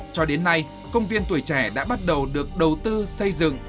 cho đến nay công viên tuổi trẻ đã bắt đầu được đầu tư xây dựng